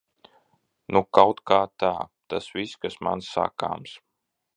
Nu kautkā tā. Tas viss, kas man sakāms.